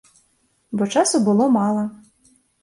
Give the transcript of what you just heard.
Бо часу было мала.